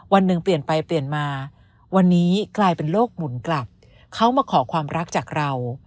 วันหนึ่งเปลี่ยนไปเปลี่ยนมาวันนี้กลายเป็นโลกหมุนกลับเขามาขอความรักจากเรา